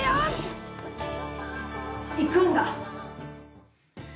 行くんだ！